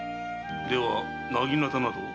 では薙刀などを？